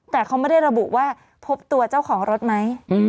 แต่เขาไม่ได้ระบุว่าพบตัวเจ้าของรถไหม